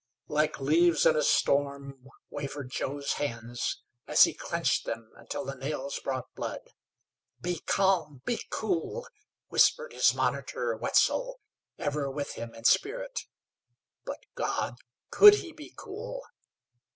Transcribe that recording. Like leaves in a storm wavered Joe's hands as he clenched them until the nails brought blood. "Be calm, be cool," whispered his monitor, Wetzel, ever with him in spirit. But God! Could he be cool?